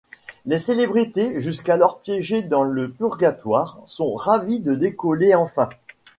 Les célébrités, jusqu'alors piégées dans le purgatoire, sont ravies de décoller enfin.